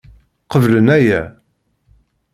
Qeblen aya.